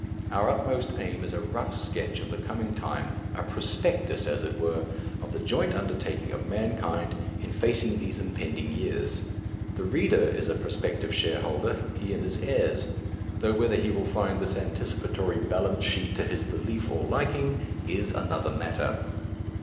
Our utmost aim is a rough sketch of the coming time, a prospectus, as it were, of the joint undertaking of mankind in facing these impending years. The reader is a prospective shareholder he and his heirs though whether he will find this anticipatory balance sheet to his belief or liking is another matter.